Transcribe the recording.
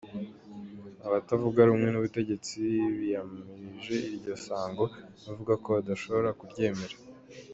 Abatavuga rumwe n'ubutegetsi biyamirije iryo sango, bavuga ko badashobora kuryemera.